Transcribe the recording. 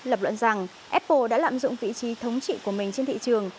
lập luận rằng apple đã lạm dụng vị trí thống trị của mình trên thị trường